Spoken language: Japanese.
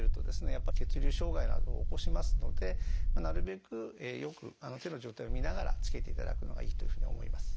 やっぱり血流障害などを起こしますのでなるべくよく手の状態を見ながらつけていただくのがいいというふうに思います。